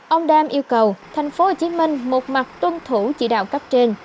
ông đam yêu cầu thành phố hồ chí minh một mặt tuân thủ chỉ đạo cấp trên